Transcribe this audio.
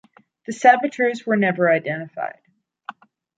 The saboteurs were never identified.